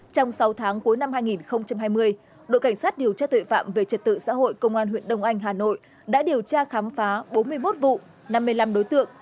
trong sáu tháng cuối năm hai nghìn hai mươi đội cảnh sát điều tra tội phạm về trật tự xã hội công an huyện đông anh hà nội đã điều tra khám phá bốn mươi một vụ năm mươi năm đối tượng